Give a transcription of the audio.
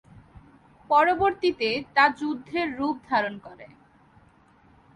পরবর্তীতে তা যুদ্ধের রূপ ধারণ করে।